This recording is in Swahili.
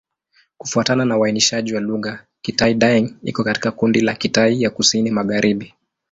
Kufuatana na uainishaji wa lugha, Kitai-Daeng iko katika kundi la Kitai ya Kusini-Magharibi.